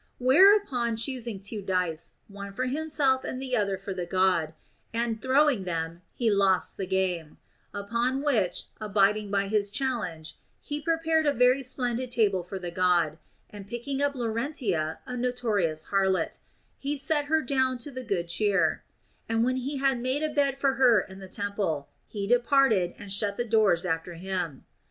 Whereupon choos ing two dice, one for himself and the other for the God, and throwing them, he lost the game ; upon which, abid ing by his challenge, he prepared a very splendid table for the God, and picking up Laurentia, a notorious harlot, he set her down to the good cheer ; and when he had made a bed for her in the temple, he departed and shut the doors after him.